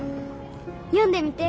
読んでみて。